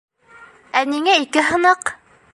Ә ниңә ике һыныҡ?